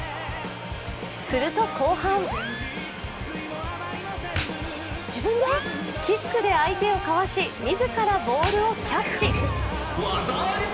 すると後半キックで相手をかわし自らボールをキャッチ。